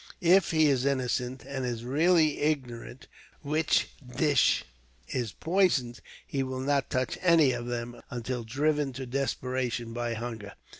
If he is innocent, and is really ignorant which dish is poisoned, he will not touch any of them, until driven to desperation by hunger.